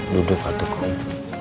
duduk atuh kung